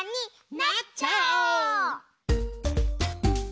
なっちゃおう！